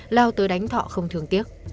lao tới đánh thọ không thương tiếc